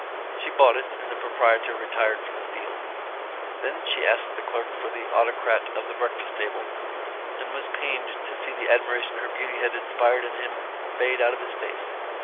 She bought it and the proprietor retired from the field. Then she asked the clerk for the Autocrat of the Breakfast Table and was pained to see the admiration her beauty had inspired in him fade out of his face.